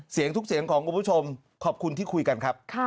เสียงทุกเสียงของคุณผู้ชมขอบคุณที่คุยกันครับ